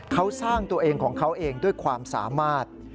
เขาสร้างตัวเองของเขาเองด้วยความสามารถ